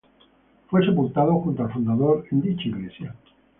Fue sepultado, junto al fundador, en dicha iglesia.